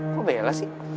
kok bella sih